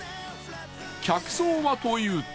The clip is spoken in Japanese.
客層はというと